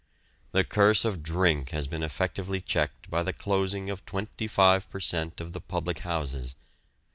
The curse of drink has been effectively checked by the closing of twenty five per cent. of the public houses.